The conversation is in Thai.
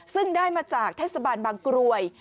ซึ่งได้มาจากทศบันบังกลวย